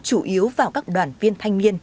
chủ yếu vào các đoàn viên thanh niên